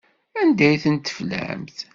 Anda ay ten-teflamt?